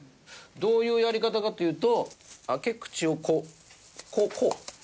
どういうやり方かというと開け口をこうこう。